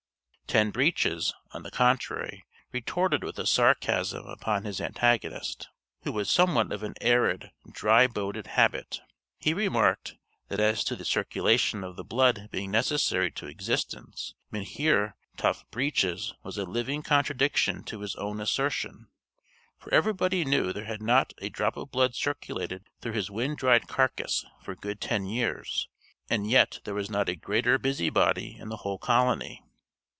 Ten Breeches, on the contrary, retorted with a sarcasm upon his antagonist, who was somewhat of an arid, dry boded habit; he remarked, that as to the circulation of the blood being necessary to existence, Mynheer Tough Breeches was a living contradiction to his own assertion; for everybody knew there had not a drop of blood circulated through his wind dried carcase for good ten years, and yet there was not a greater busybody in the whole colony.